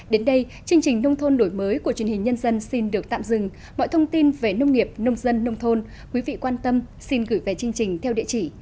đến đây chương trình nông thôn đổi mới của truyền hình nhân dân xin được tạm dừng mọi thông tin về nông nghiệp nông dân nông thôn quý vị quan tâm xin gửi về chương trình theo địa chỉ